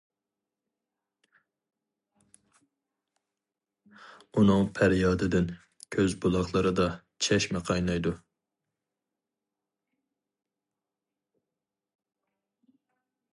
ئۇنىڭ پەريادىدىن كۆز بۇلاقلىرىدا چەشمە قاينايدۇ.